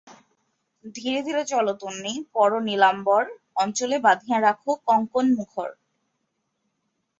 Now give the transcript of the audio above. ধীরে ধীরে চলো তন্বী, পরো নীলাম্বর, অঞ্চলে বাঁধিয়া রাখো কঙ্কণ মুখর।